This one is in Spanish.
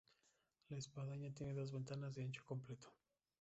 La espadaña tiene dos ventanas de ancho completo.